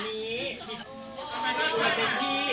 มีตัวฝั่งนี้